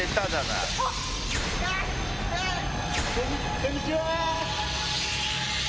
こんにちは！